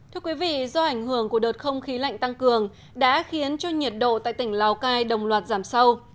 thưa quý vị do ảnh hưởng của đợt không khí lạnh tăng cường đã khiến cho nhiệt độ tại tỉnh lào cai đồng loạt giảm sâu